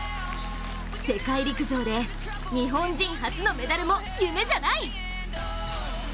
世界陸上で日本人初のメダルも夢じゃない！